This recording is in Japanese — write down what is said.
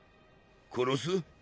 殺す？